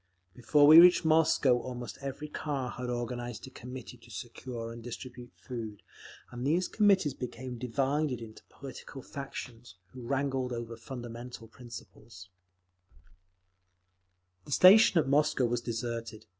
Before we reached Moscow almost every car had organised a Committee to secure and distribute food, and these Committees became divided into political factions, who wrangled over fundamental principles…. The station at Moscow was deserted.